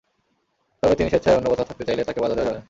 তবে তিনি স্বেচ্ছায় অন্য কোথাও থাকতে চাইলে তাঁকে বাধা দেওয়া যাবে না।